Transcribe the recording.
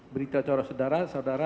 berita acara saudara saudara